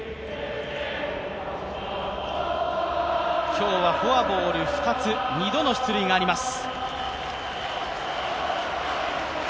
今日はフォアボール２つ、２度の出塁があります。